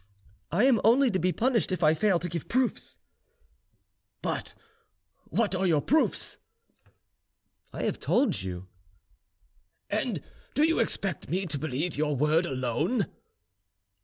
"I am only to be punished if I fail to give proofs." "But what are your proofs?" "I have told you." "And do you expect me to believe your word alone?"